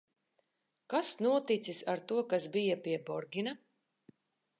Kas noticis ar to, kas bija pie Borgina?